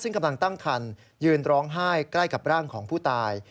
ซึ่งกำลังตั้งคันยืนร้องไห้ใกล้กับร่างของผู้ตาย